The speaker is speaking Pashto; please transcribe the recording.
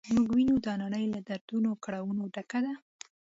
موږ وینو دا نړۍ له دردونو او کړاوونو ډکه ده.